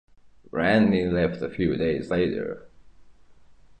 Randy left a few days later.